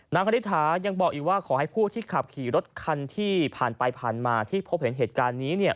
นางฆฤษายังบอกอีกว่าขอให้ผู้ที่ขับขี่รถคันพาลไปพาลมาที่พบเห็นเหตุการณ์นี้เนี้ย